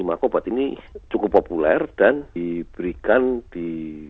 maka obat ini cukup populer dan diberikan di